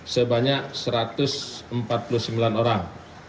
sebanyak satu ratus empat puluh sembilan orang